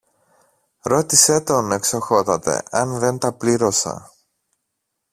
Ρώτησε τον, Εξοχότατε, αν δεν τα πλήρωσα!